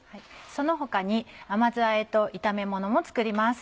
その他に甘酢あえと炒めものも作ります。